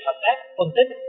hợp tác phân tích